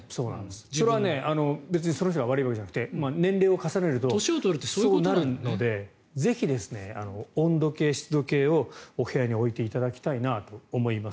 それは別にその人が悪いわけじゃなくて年齢を重ねるとそうなるのでぜひ、温度計、湿度計をお部屋に置いていただきたいなと思います。